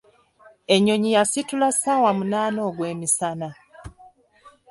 Ennyonyi yasitula ssawa munaana ogw'emisana.